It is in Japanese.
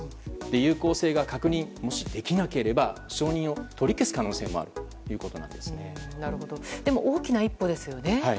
有効性が確認もしできなければ承認を取り消す可能性も大きな一歩ですよね。